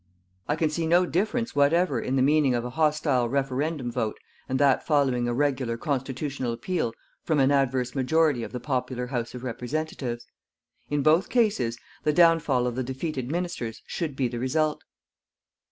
I can see no difference whatever in the meaning of an hostile referendum vote and that following a regular constitutional appeal from an adverse majority of the popular House of representatives. In both cases, the downfall of the defeated ministers should be the result.